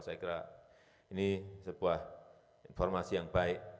saya kira ini sebuah informasi yang baik